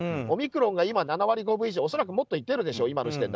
オミクロンが７割５分以上今の時点だともっといっているでしょう。